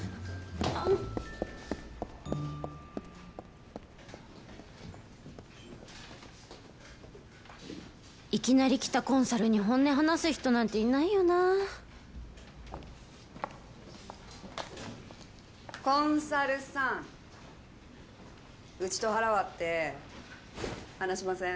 あのいきなり来たコンサルに本音話す人なんてコンサルさんうちと腹割って話しません？